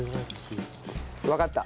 わかった。